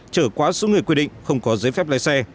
để quy định không có giấy phép lái xe